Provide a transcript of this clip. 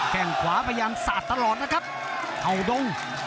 แค่งขวาพยายามสาดตลอดนะครับเข่าดง